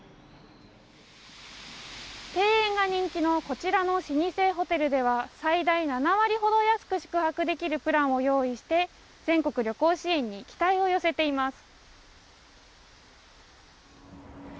庭園が人気のこちらの老舗ホテルでは最大７割ほど安く宿泊できるプランを用意して全国旅行支援に期待を寄せています。